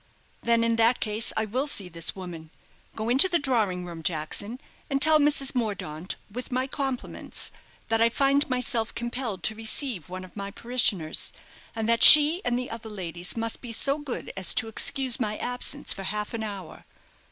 "Then in that case I will see this woman. Go into the drawing room, Jackson, and tell Mrs. Mordaunt, with my compliments, that I find myself compelled to receive one of my parishioners; and that she and the other ladies must be so good as to excuse my absence for half an hour."